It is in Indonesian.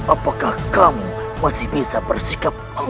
apakah kamu masih bisa bersikap